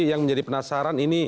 yang menjadi penasaran ini